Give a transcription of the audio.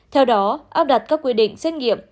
theo đó áp đặt các quy định xét nghiệm